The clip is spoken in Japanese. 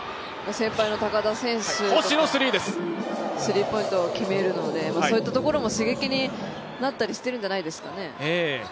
先輩の高田選手もスリーポイントを決めるのでそういったところも刺激になったりしてるんじゃないですかね。